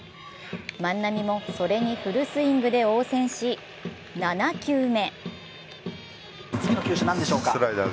万波にそれにフルスイングで応戦し、７球目。